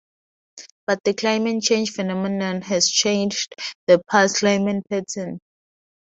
But the climate change phenomenon has changed the past climate pattern.